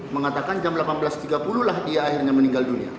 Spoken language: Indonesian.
mengatakan jam delapan belas tiga puluh lah dia akhirnya meninggal dunia